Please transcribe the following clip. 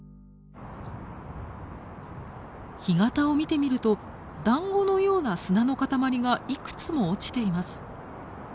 干潟を見てみるとだんごのような砂の塊がいくつも落ちています。